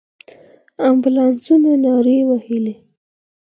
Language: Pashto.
امبولانسونو نارې وهلې.